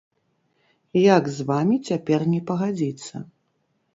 Як з вамі цяпер не пагадзіцца?